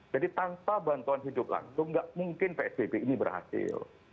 jadi tanpa bantuan hidup langsung nggak mungkin psbb ini berhasil